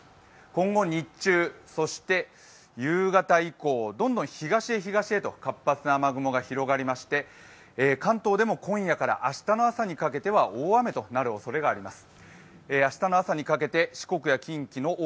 今後、日中そして夕方以降、どんどん東へ東へと活発な雨雲が広がりまして関東でも今夜から明日の朝にかけては大雨となるおそれがあります。